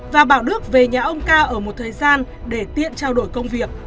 và bảo đức về nhà ông ca ở một thời gian để tiện trao đổi công việc